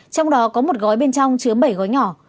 trong đó có một gói bên trong chứa bảy gói nhỏ